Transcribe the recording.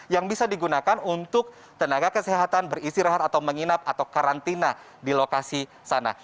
yang bisa digunakan untuk tenaga kesehatan beristirahat atau menginap atau karantina di lokasi sana